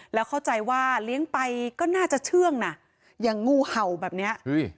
แล้วเข้าใจว่าเลี้ยงไปก็น่าจะเชื่องนะอย่างงูเห่าแบบเนี้ย